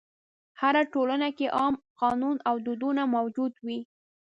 هره ټولنه کې عام قانون او دودونه موجود وي.